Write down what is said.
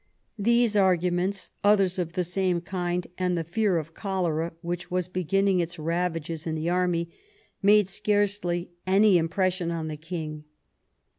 These arguments, others of the same kind, and the fear of cholera, which was beginning its ravages in the army, made scarcely any impression on the King.